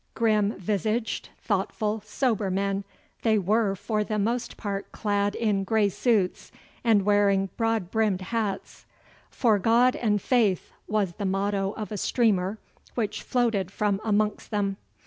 Grim visaged, thoughtful, sober men, they were for the most part clad in grey suits and wearing broad brimmed hats. 'For God and faith' was the motto of a streamer which floated from amongst them.